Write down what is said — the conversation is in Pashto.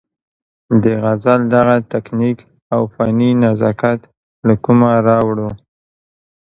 د غزل دغه تکنيک او فني نزاکت له کومه راوړو-